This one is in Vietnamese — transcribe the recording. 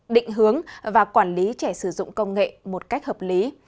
định hướng và quản lý trẻ sử dụng công nghệ một cách hợp lý